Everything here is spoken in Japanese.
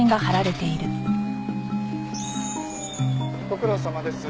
ご苦労さまです。